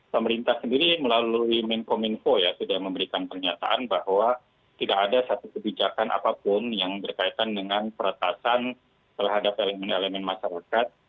pemerintah sendiri melalui menkominfo ya sudah memberikan pernyataan bahwa tidak ada satu kebijakan apapun yang berkaitan dengan peretasan terhadap elemen elemen masyarakat